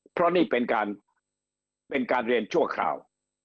เพราะนี่เป็นการเรียนชั่วคราว